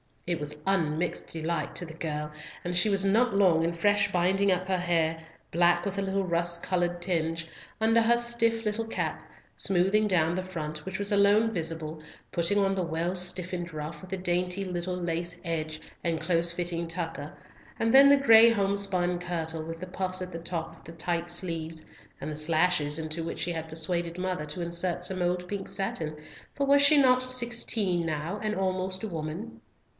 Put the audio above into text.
It was unmixed delight to the girl, and she was not long in fresh binding up her hair—black with a little rust coloured tinge—under her stiff little cap, smoothing down the front, which was alone visible, putting on the well stiffened ruff with the dainty little lace edge and close fitting tucker, and then the gray home spun kirtle, with the puffs at the top of the tight sleeves, and the slashes into which she had persuaded mother to insert some old pink satin, for was not she sixteen now, and almost a woman?